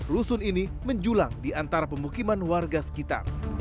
rusun ini menjulang di antara pemukiman warga sekitar